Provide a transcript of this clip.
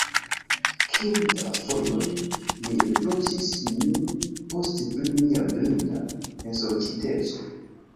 Kiom da fojoj mi riproĉis min poste pri mia blinda ensorĉiteco!